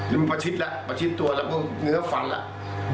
แล้วมันประชิดแล้วประชิดตัวแล้วก็เหงือฝันแล้ว